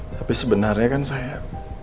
tapi sebenarnya kan saya